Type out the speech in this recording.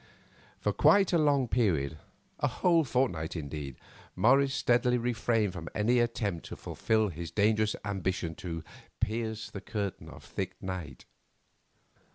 For quite a long period, a whole fortnight, indeed, Morris steadily refrained from any attempt to fulfil his dangerous ambition to "pierce the curtain of thick night."